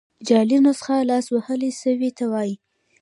جعلي نسخه لاس وهل سوي ته وايي.